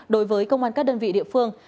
đối với công an các đơn vị địa phương